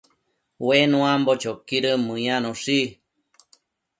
Ue nuambo choquidën mëyanoshi